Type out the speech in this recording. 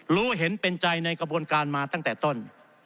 รู้เห็นเป็นใจในกระบวนการมาตั้งแต่ต้น